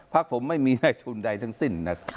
พักผมไม่มีในทุนใดทั้งสิ้นนะ